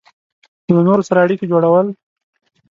له نورو سره اړیکې جوړول